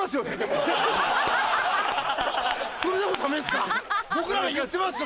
それでもダメですか？